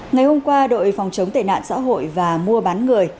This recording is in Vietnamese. ngày hôm qua đội phòng chống tệ nạn xã hội và mua bán người